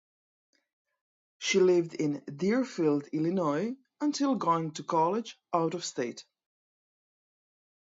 She lived in Deerfield, Illinois until going to college out of state.